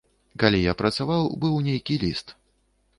Калі я працаваў, быў нейкі ліст.